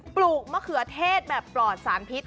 ลูกมะเขือเทศแบบปลอดสารพิษ